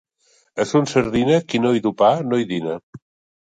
A Son Sardina, qui no hi du pa, no hi dina.